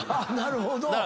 なるほど。